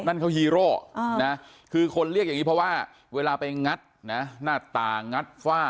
นั่นเขาฮีโร่นะคือคนเรียกอย่างนี้เพราะว่าเวลาไปงัดนะหน้าต่างัดฝ้า